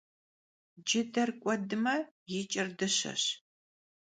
Cıder k'uedme, yi ç'ır dışeş.